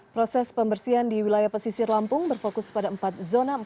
proses pembersihan di wilayah pesisir lampung berfokus pada empat zona empat